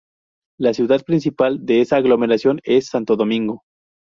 La ciudad principal de esta aglomeración es Santo Domingo.